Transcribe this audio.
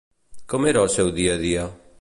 Com era el seu dia a dia?